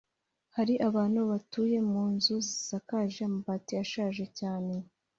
hari abantu batuye mu nzu zisakaje amabati ashaje cyane